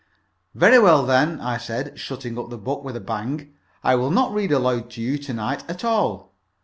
"Very well, then," I said, shutting up the book with a bang, "I will not read aloud to you to night at all.